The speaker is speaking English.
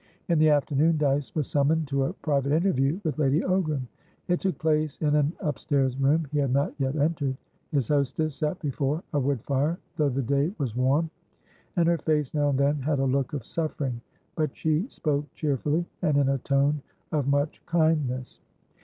In the afternoon Dyce was summoned to a private interview with Lady Ogram. It took place in an upstairs room he had not yet entered. His hostess sat before a wood fire (though the day was warm) and her face now and then had a look of suffering, but she spoke cheerfully, and in a tone of much kindness.